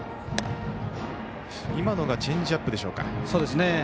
今のがチェンジアップでしょうか。